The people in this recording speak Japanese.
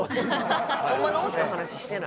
ホンマの王子の話してない。